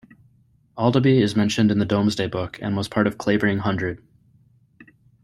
Aldeby is mentioned in the Domesday Book and was part of Clavering hundred.